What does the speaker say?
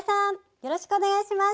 よろしくお願いします。